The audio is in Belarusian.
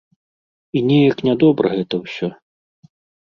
І неяк нядобра гэта ўсё.